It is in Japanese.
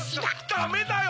ダメだよ！